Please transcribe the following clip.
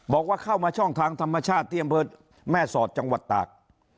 บอกว่าเข้ามาช่องทางธรรมชาติที่อำเภอแม่สอดจังหวัดตาก